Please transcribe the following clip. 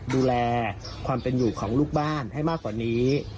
ดูแลความเป็นอยู่ของลูกบ้านให้มากกว่านี้